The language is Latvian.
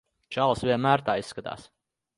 Čalis vienmēr tā izskatās.